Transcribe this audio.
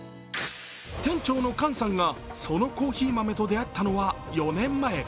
店長の菅さんがそのコーヒー豆と出会ったのは４年前。